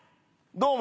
どうも！